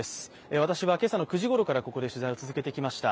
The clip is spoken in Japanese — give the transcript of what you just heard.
私は今朝の９時ごろからここで取材を続けてきました。